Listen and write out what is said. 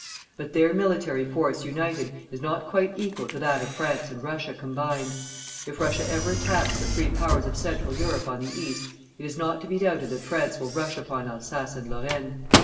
But their military force united is not quite equal to that of France and Russia combined. If Russia ever attacks the three powers of Central Europe on the East, it is not to be doubted that France will rush upon Alsace and Lorraine.